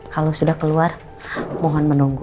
kalau sudah keluar mohon menunggu